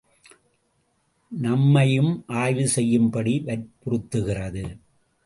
நம்மையும் ஆய்வு செய்யும்படி வற்புறுத்துகிறது.